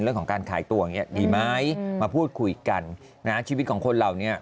เรื่องของการขายตัวอย่างเงี้ดีไหมมาพูดคุยกันนะฮะชีวิตของคนเราเนี่ย